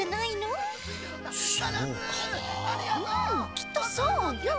きっとそうよ。